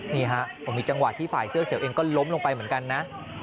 นี่ฮะมีจังหวะที่ฝ่ายเสื้อเขียวเองก็ล้มลงไปเหมือนกันนะ